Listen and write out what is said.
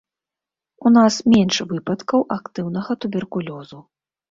У нас менш выпадкаў актыўнага туберкулёзу.